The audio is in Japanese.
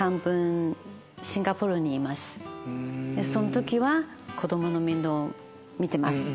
その時は子供の面倒を見てます。